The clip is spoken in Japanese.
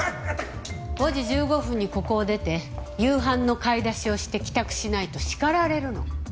５時１５分にここを出て夕飯の買い出しをして帰宅しないと叱られるの。